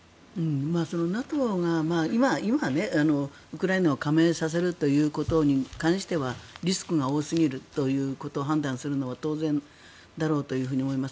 ＮＡＴＯが今ウクライナを加盟させるということに関してはリスクが多すぎるということを判断するのが当然だろうと思います。